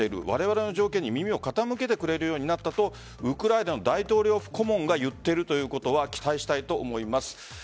われわれの条件に耳を傾けてくれるようになったとウクライナの大統領府顧問が言っているということは期待したいと思います。